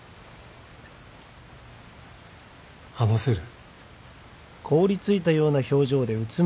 話せる？